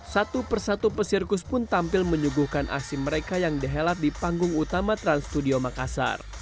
satu persatu pesirkus pun tampil menyuguhkan aksi mereka yang dihelat di panggung utama trans studio makassar